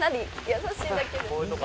優しいだけで」